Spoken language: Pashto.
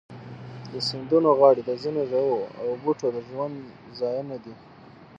د سیندونو غاړې د ځینو ژوو او بوټو د ژوند ځایونه دي.